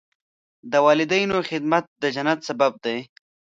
د والدینو خدمت د جنت سبب دی.